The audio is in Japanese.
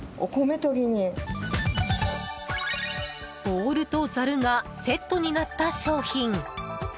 ボウルとざるがセットになった商品。